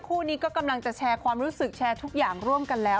คู่นี้ก็กำลังจะแชร์ความรู้สึกแชร์ทุกอย่างร่วมกันแล้ว